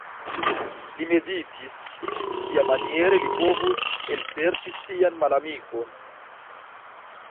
Li meditis, kiamaniere li povus elserĉi sian malamikon.